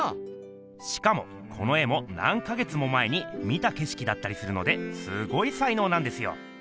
しかもこの絵も何か月も前に見た景色だったりするのですごいさいのうなんですよ！